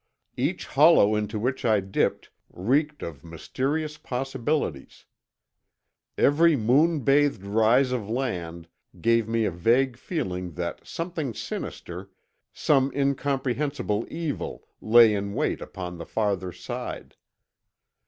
Each hollow into which I dipped reeked of mysterious possibilities. Every moon bathed rise of land gave me a vague feeling that something sinister, some incomprehensible evil, lay in wait upon the farther side.